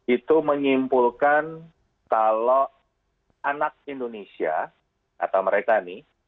itu menyimpulkan kalau anak indonesia atau mereka nih